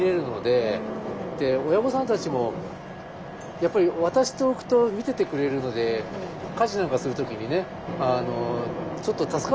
親御さんたちもやっぱり渡しておくと見ててくれるので家事なんかする時にねちょっと助かる時もあるんですよ。